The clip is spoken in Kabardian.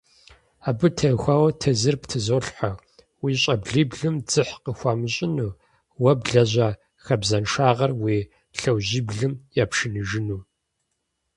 Абы теухуауэ тезыр птызолъхьэ: уи щӀэблиблым дзыхь къыхуамыщӏыну, уэ блэжьа хабзэншагъэр уи лъэужьиблым япшыныжыну.